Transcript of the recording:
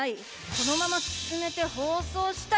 このまま進めて放送したい？